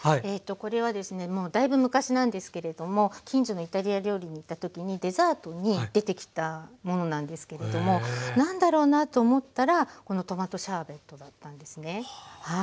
これはですねもうだいぶ昔なんですけれども近所のイタリア料理に行った時にデザートに出てきたものなんですけれども何だろうなと思ったらこのトマトシャーベットだったんですね。